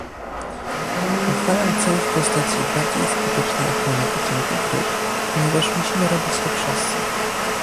Pochwalam cel w postaci bardziej skutecznej ochrony gatunków ryb, ponieważ musimy robić to wszyscy